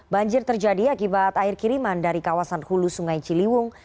banjir terjadi akibat air kiriman dari kawasan hulu sungai ciliwung